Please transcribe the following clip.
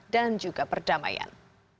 dan juga perdamaian